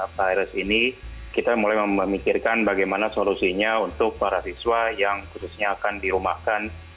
virus ini kita mulai memikirkan bagaimana solusinya untuk para siswa yang khususnya akan dirumahkan